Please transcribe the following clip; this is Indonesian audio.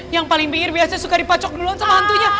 yang paling pinggir biasanya suka dipacok duluan sama hantunya